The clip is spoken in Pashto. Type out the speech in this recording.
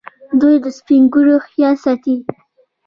دوی د سپین ږیرو خیال ساتي.